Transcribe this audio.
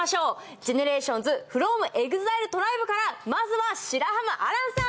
ＧＥＮＥＲＡＴＩＯＮＳｆｒｏｍＥＸＩＬＥＴＲＩＢＥからまずは白濱亜嵐さん！